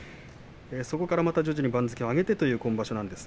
そこから徐々に番付を上げてという今場所です。